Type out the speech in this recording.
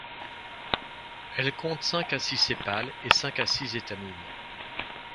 Elles comptent cinq à six sépales et cinq à dix étamines.